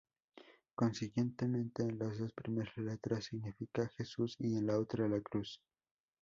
Consiguientemente, en las dos primeras letras significa a Jesús, y en otra, la cruz.